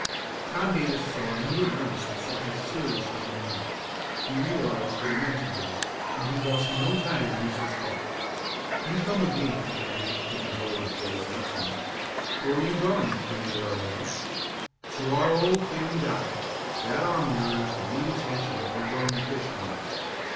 Tom Davis saw and knew at once that something serious was the matter. He realized what it meant to Joe, and he lost no time in useless talk. "You come with me!" he commanded, taking hold of Joe's left arm. "Where are you going?" demanded our hero. "To our old family doctor. That arm of yours will need attention if you're going to pitch to morrow."